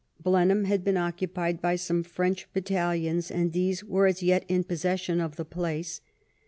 Blenheim had been occupied by some French battalions, and these were as yet in possession of the place.